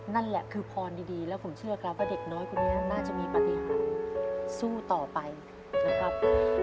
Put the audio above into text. นั่นแหละคือพรดีแล้วผมเชื่อครับว่าเด็กน้อยคนนี้น่าจะมีปฏิหารสู้ต่อไปนะครับ